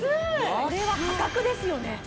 これは破格ですよね